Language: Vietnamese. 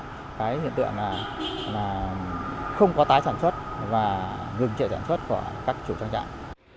cái hiện tượng là không có tái sản xuất và ngừng chịu sản xuất của các chủ trang trạng